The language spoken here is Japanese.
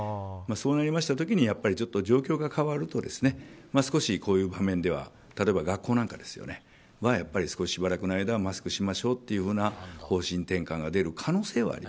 そうなりました時にちょっと状況が変わるとこういう場面では例えば学校なんかではしばらくの間はマスクをしましょうというふうな方針転換が出る